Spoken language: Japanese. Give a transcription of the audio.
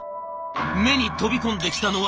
目に飛び込んできたのは。